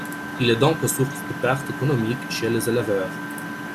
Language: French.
Il est donc source de pertes économiques chez les éleveurs.